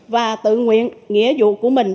và tự nguyện nghĩa dụ của mình